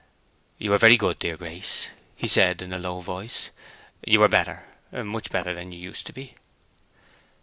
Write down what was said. "You are very good, dear Grace," he said, in a low voice. "You are better, much better, than you used to be."